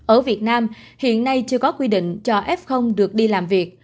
ở việt nam hiện nay chưa có quy định cho f được đi làm việc